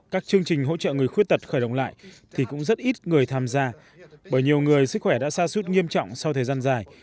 các chương trình hỗ trợ người khuyết tật khởi động lại thì cũng rất ít người tham gia bởi nhiều người sức khỏe đã xa suốt nghiêm trọng sau thời gian dài